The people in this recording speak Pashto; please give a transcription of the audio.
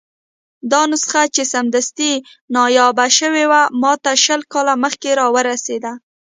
دا نسخه چې سمدستي نایابه شوې وه، ماته شل کاله مخکې راورسېده.